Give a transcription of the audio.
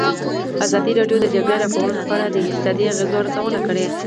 ازادي راډیو د د جګړې راپورونه په اړه د اقتصادي اغېزو ارزونه کړې.